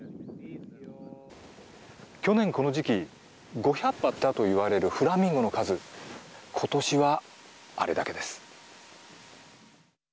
去年この時期５００羽いたといわれるフラミンゴの数今年は、あれだけです。